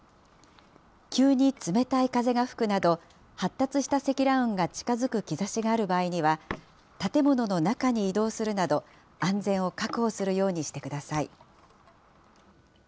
急に冷たい風が吹くなど、発達した積乱雲が近づく兆しがある場合には、建物の中に移動するなど、安全を確保するようにしてください。